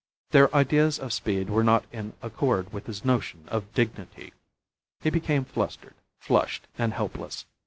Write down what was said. Their ideas of speed were not in accord with his notion of his dignity. He became flustered, flushed, and helpless.